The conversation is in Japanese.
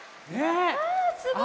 あすごい！